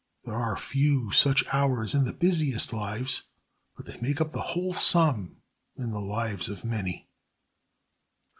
There are few such hours in the busiest lives, but they make up the whole sum in the lives of many.